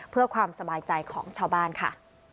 เพื่อความสบายใจของชาวบ้านค่ะ